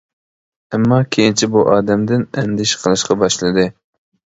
ئەمما كېيىنچە بۇ ئادەمدىن ئەندىشە قىلىشقا باشلىدى.